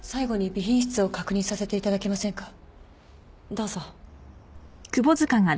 どうぞ。